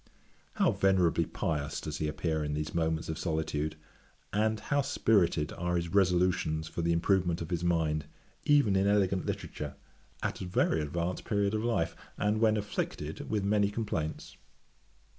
How venerably pious does he appear in these moments of solitude, and how spirited are his resolutions for the improvement of his mind, even in elegant literature, at a very advanced period of life, and when afflicted with many complaints.